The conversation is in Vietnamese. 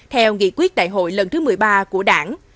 theo nghị quyết đại hội lần thứ một mươi ba của đảng